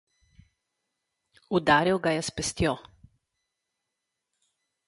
Udaril ga je s pestjo!